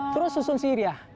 terus susun siriah